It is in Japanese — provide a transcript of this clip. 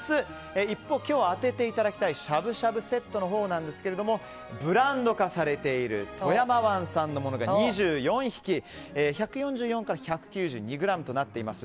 一方、今日当てていただきたいしゃぶしゃぶセットのほうですがブランド化されている富山湾産のもので２４匹、１４４から１９２ｇとなっています。